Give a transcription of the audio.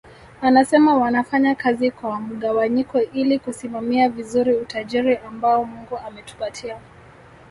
Anasema wanafanya kazi kwa mgawanyiko ili kusimamia vizuri utajiri ambao Mungu ametupatia